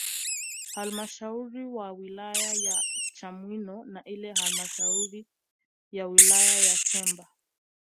Halmashauri ya Wilaya ya Chamwino na ile halmashauri ya wilaya ya Chemba